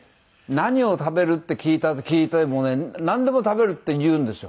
「何を食べる？」って聞いてもね「なんでも食べる」って言うんですよ。